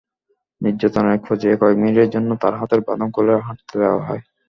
নির্যাতনের একপর্যায়ে কয়েক মিনিটের জন্য তার হাতের বাঁধন খুলে হাঁটতে দেওয়া হয়।